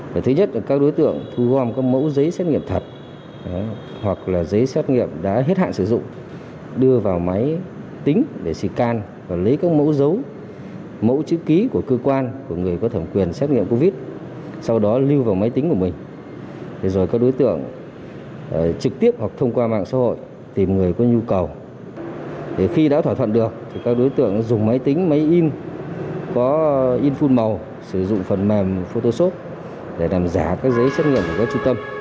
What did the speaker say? trong thời gian qua đối tượng đã làm hơn một trăm linh giấy xét nghiệm giả cho các trường hợp là lái xe người buôn bán và công nhân sau đó gửi qua gia lô để họ sử dụng khi đi qua các chốt kiểm dịch